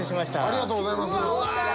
ありがとうございます。